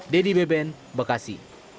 dedy beben bekasi